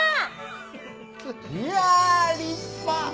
いや立派！